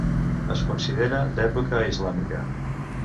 Es considera d'època islàmica.